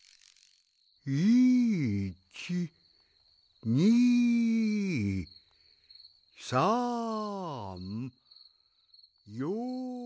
いちにさんよん。